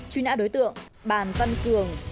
truy nã đối tượng bàn văn cường